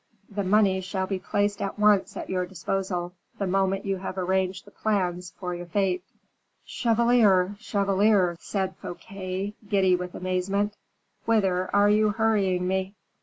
The money shall be placed at once at your disposal, the moment you have arranged the plans of your fete." "Chevalier! chevalier!" said Fouquet, giddy with amazement, "whither are you hurrying me?"